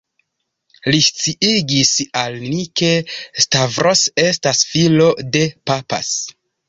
Li sciigis al ni, ke Stavros estas filo de «_papas_».